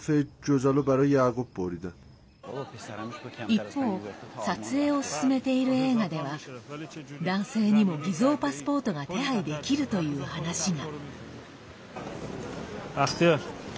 一方、撮影を進めている映画では男性にも、偽造パスポートが手配できるという話が。